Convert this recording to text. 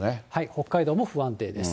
北海道も不安定です。